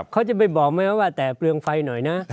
เขาจะไปบอกไหมว่าแต่เปลืองไฟหน่อยนะ